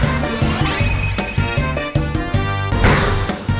อัฟเตรีย์